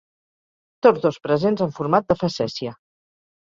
Tots dos presentats en format de facècia.